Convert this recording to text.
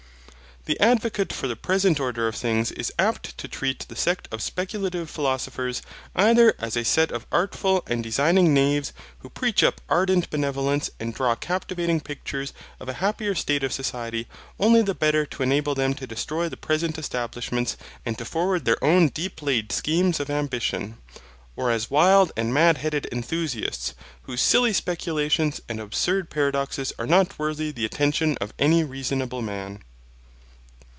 The advocate for the present order of things is apt to treat the sect of speculative philosophers either as a set of artful and designing knaves who preach up ardent benevolence and draw captivating pictures of a happier state of society only the better to enable them to destroy the present establishments and to forward their own deep laid schemes of ambition, or as wild and mad headed enthusiasts whose silly speculations and absurd paradoxes are not worthy the attention of any reasonable man.